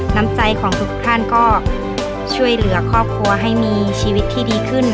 น้ำใจของทุกท่านก็ช่วยเหลือครอบครัวให้มีชีวิตที่ดีขึ้น